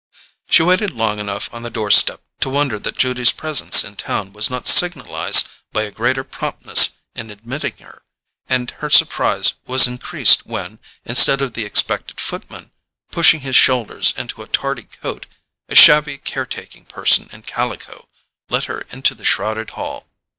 She waited long enough on the doorstep to wonder that Judy's presence in town was not signalized by a greater promptness in admitting her; and her surprise was increased when, instead of the expected footman, pushing his shoulders into a tardy coat, a shabby care taking person in calico let her into the shrouded hall.